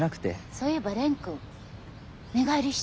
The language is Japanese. そういえば蓮くん寝返りした？